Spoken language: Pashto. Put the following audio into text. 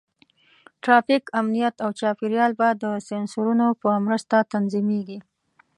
ټرافیک، امنیت، او چاپېریال به د سینسرونو په مرسته تنظیمېږي.